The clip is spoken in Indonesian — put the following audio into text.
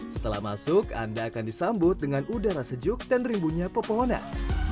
setelah masuk anda akan disambut dengan udara sejuk dan rimbunya pepohonan